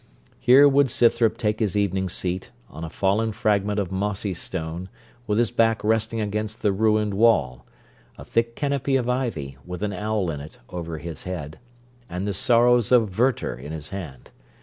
Here would Scythrop take his evening seat, on a fallen fragment of mossy stone, with his back resting against the ruined wall, a thick canopy of ivy, with an owl in it, over his head, and the Sorrows of Werter in his hand.